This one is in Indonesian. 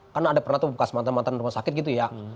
kan ada pernah tuh bekas mantan mantan rumah sakit gitu ya